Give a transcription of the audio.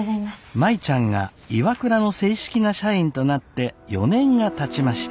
舞ちゃんがＩＷＡＫＵＲＡの正式な社員となって４年がたちました。